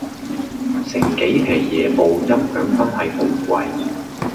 成幾皮野部音響真係好貴